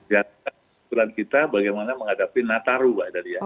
ya usulan kita bagaimana menghadapi nataru pak tadi ya